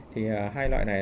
thì hai loại này